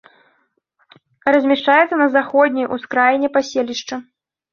Размяшчаецца на заходняй ускраіне паселішча.